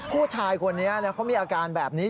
ผู้ชายคนนี้เขามีอาการแบบนี้